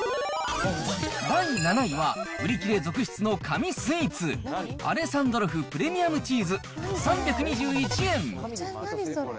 第７位は、売り切れ続出の神スイーツ。アレサンドロフプレミアムチーズ３２１円。